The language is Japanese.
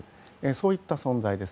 そういった存在です。